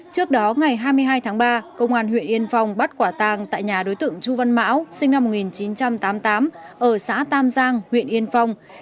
trước đó ngày hai mươi hai tháng ba công an huyện yên phong bắt quả tàng tại nhà đối tượng chu văn mão sinh năm một nghìn chín trăm tám mươi tám ở xã tam giang huyện yên phong